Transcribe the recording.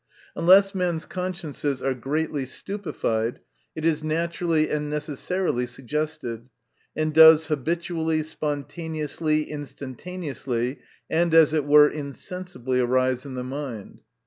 Unless men's consciences are greatly stupified, it is natu rally and necessarily suggested ; and does habitually, spontaneously, instanta neously, and as it were insensibly arise in the mind.